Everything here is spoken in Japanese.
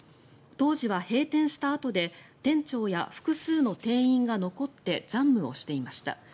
当時は閉店したあとで店長や複数の店員が残って残務をしていました。